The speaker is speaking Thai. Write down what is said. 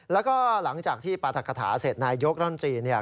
แล้วก็หลังจากที่ปราธกฐาเสร็จนายยกรัฐบัลตินตรี